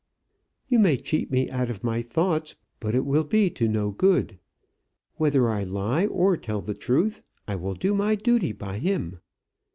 "You may cheat me out of my thoughts, but it will be to no good. Whether I lie or tell the truth, I will do my duty by him.